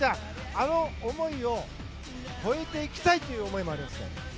あの思いを超えていきたいという思いもありますよ。